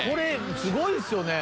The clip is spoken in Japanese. すごいっすよね。